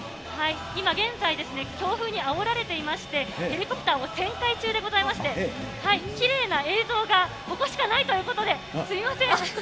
今現在、強風にあおられていまして、ヘリコプターを旋回中でございまして、きれいな映像がここしかないということで、すみません。